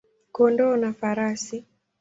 kondoo na farasi.